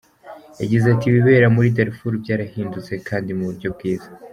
Yagize ati “Ibibera muri Darfour byarahindutse kandi mu buryo bwiza.